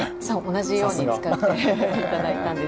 同じように作って頂いたんです。